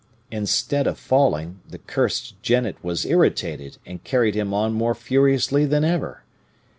Instead of falling, the cursed jennet was irritated, and carried him on more furiously than ever.